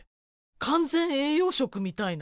完全栄養食みたいな？